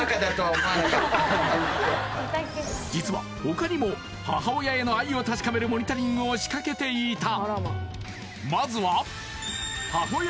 実は他にも母親への愛を確かめるモニタリングを仕掛けていた